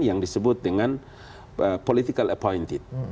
yang disebut dengan political approinted